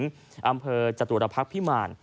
อำเภอจตุรพรรคพิมมาล